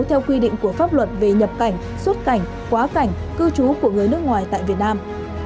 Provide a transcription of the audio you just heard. theo quy định của pháp luật về nhập cảnh xuất cảnh quá cảnh cư trú của người nước ngoài tại việt nam